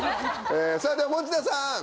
さぁでは持田さん。